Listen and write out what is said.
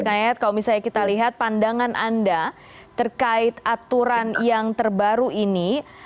kang yayat kalau misalnya kita lihat pandangan anda terkait aturan yang terbaru ini